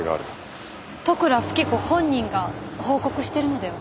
利倉富貴子本人が報告してるのでは？